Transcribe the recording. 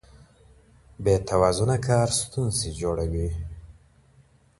بې توازنه کار ستونزې جوړوي.